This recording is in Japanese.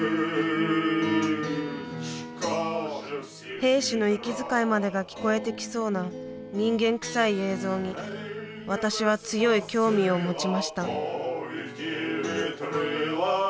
兵士の息遣いまでが聞こえてきそうな人間くさい映像に私は強い興味を持ちました。